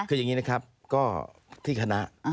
คืออย่างนี้นะครับก็ที่คณะ